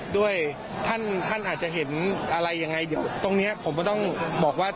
ด้วยท่านท่านอาจจะเห็นอะไรยังไงเดี๋ยวตรงนี้ผมก็ต้องบอกว่า